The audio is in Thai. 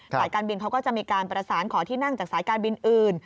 การบินเขาก็จะมีการประสานขอที่นั่งจากสายการบินอื่น